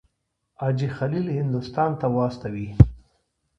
حاجي خلیل هندوستان ته واستوي.